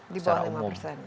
di bawah lima persen